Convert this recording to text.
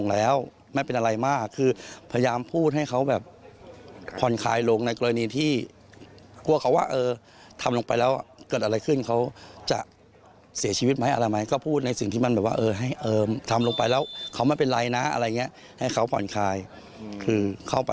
แล้วแสดงตัวให้เขาว่ายังมีคนรู้จักเขา